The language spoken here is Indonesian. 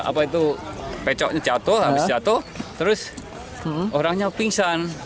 apa itu pecoknya jatuh habis jatuh terus orangnya pingsan